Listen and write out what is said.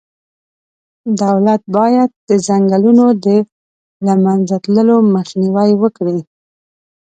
دولت باید د ځنګلونو د له منځه تللو مخنیوی وکړي.